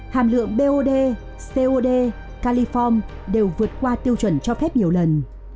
hàm lượng bod cod caliform đều vượt qua tiêu chuẩn cho phép nhiều lần